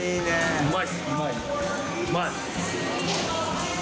うまい！